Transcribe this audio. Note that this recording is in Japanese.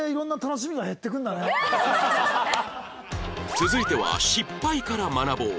続いては失敗から学ぼう